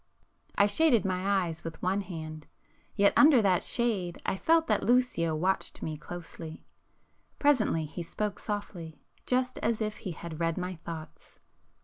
I shaded my eyes with one hand,—yet under that shade I felt that Lucio watched me closely. Presently he spoke softly, just as if he had read my thoughts.